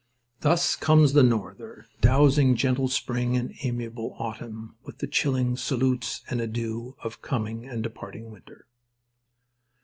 Thus comes the "norther" dousing gentle spring and amiable autumn with the chilling salutes and adieux of coming and departing winter.